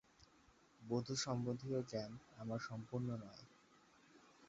বধূসম্বন্ধীয় জ্ঞান আমার সম্পূর্ণ নয়।